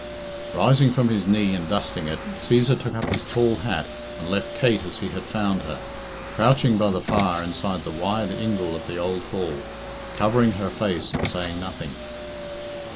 Rising from his knee and dusting it, Cæsar took up his tall hat, and left Kate as he had found her, crouching by the fire inside the wide ingle of the old hall, covering her face and saying nothing.